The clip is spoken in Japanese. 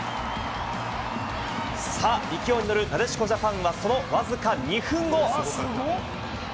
勢いに乗る、なでしこジャパンは、そのわずか２分後。